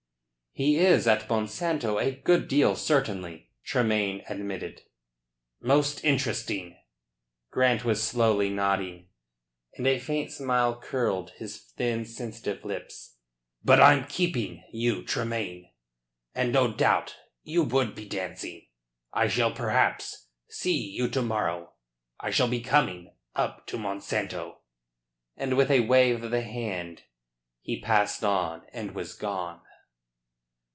"He is at Monsanto a good deal certainly," Tremayne admitted. "Most interesting." Grant was slowly nodding, and a faint smile curled his thin, sensitive lips. "But I'm keeping you, Tremayne, and no doubt you would be dancing. I shall perhaps see you to morrow. I shall be coming up to Monsanto." And with a wave of the hand he passed on and was gone.